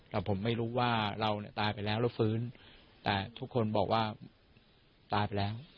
แต่ผมไม่รู้ว่าเราเนี่ยตายไปแล้วแล้วฟื้นแต่ทุกคนบอกว่าตายไปแล้ว